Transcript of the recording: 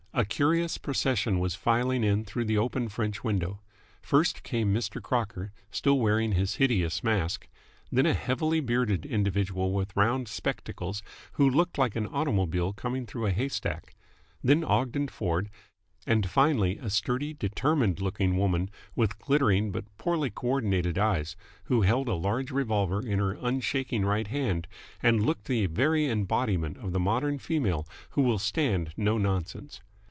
A curious procession was filing in through the open French window. First came Mr. Crocker, still wearing his hideous mask; then a heavily bearded individual with round spectacles, who looked like an automobile coming through a haystack; then Ogden Ford, and finally a sturdy, determined looking woman with glittering but poorly co ordinated eyes, who held a large revolver in her unshaking right hand and looked the very embodiment of the modern female who will stand no nonsense.